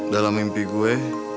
dalam mimpi gue